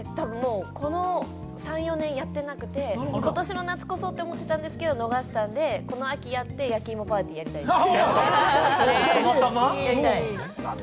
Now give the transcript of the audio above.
キャンプをもうこの３４年やってなくて、ことしの夏こそって思ってたんですけれど逃して、この秋やって、焼き芋パーティーをやりたいです。